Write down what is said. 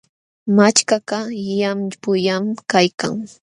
Machkakaq llampullam kaykan.